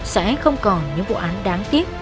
sẽ không còn những vụ án đáng kỳ